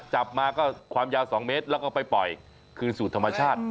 จับมาก็ความยาว๒เมตรแล้วก็ไปปล่อยคืนสู่ธรรมชาติ